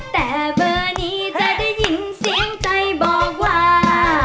แต่เบอร์นี้จะได้ยินเสียงใจบอกว่า